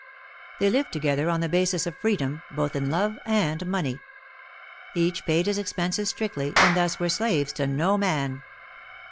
They lived together on the basis of freedom, both in love and money. Each paid his expenses strictly, and thus were slaves to no man.